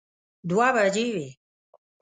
دوه بجې وې.